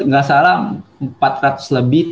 nggak salah empat ratus lebih